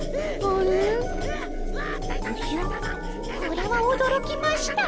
これはおどろきました。